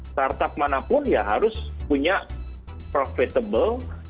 start up manapun ya harus punya profitable